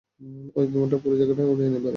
ওই বিমানটা পুরো জায়গাটায় উড়িয়ে বেড়াতেন।